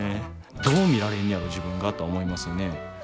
どう見られんねやろ自分がとは思いますよね。